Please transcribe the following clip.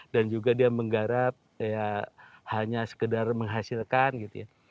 dan juga dia menggarap ya hanya sekedar menghasilkan gitu ya